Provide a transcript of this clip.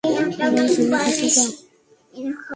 আমার জন্য কিছু গা।